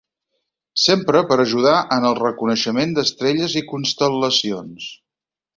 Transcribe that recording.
S'empra per ajudar en el reconeixement d'estrelles i constel·lacions.